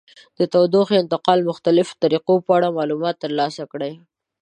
د تودوخې انتقال مختلفو طریقو په اړه معلومات ترلاسه کړئ.